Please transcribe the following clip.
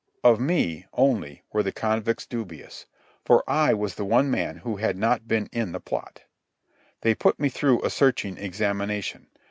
Of me, only, were the convicts dubious, for I was the one man who had not been in the plot. They put me through a searching examination.